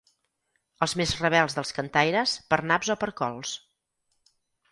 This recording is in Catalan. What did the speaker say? Els més rebels dels cantaires, per naps o per cols.